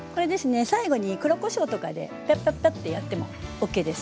最後に黒こしょうとかでパッパッパッとやってもＯＫです。